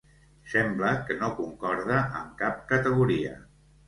Sembla que no concorda amb cap categoria.